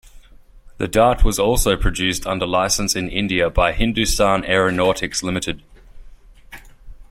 The Dart was also produced under licence in India by Hindustan Aeronautics Limited.